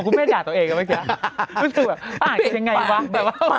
รู้สึกแบบอ่านกันยังไงวะ